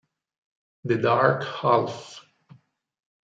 The Dark Half